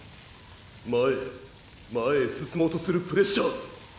前へ前へ進もうとするプレッシャー。